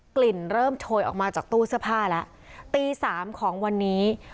กลิ่นเริ่มโชยออกมาจากตู้เสื้อผ้าแล้วตีสามของวันนี้